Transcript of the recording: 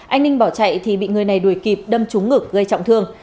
anh ninh bỏ chạy thì bị người này đuổi kịp đâm trúng ngực gây trọng thương